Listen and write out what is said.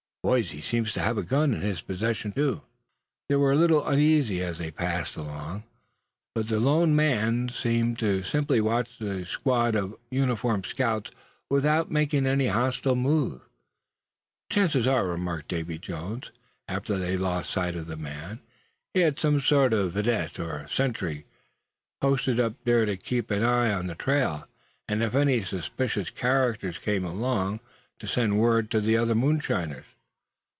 Boys, he seems to have a gun in his possession, too." They were a little uneasy as they passed along; but the lone man seemed to simply watch the squad of uniformed scouts without making any hostile move. "Chances are," remarked Davy Jones, after they lost sight of the man; "he was some sort of vidette or sentry, posted up there to keep an eye on the trail; and if any suspicious characters came along, to send word to the other moonshiners.